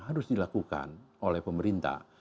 harus dilakukan oleh pemerintah